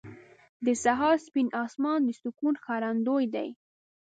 • د سهار سپین اسمان د سکون ښکارندوی دی.